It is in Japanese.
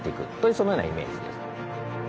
そのようなイメージですね。